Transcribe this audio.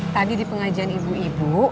tadi di pengajian ibu ibu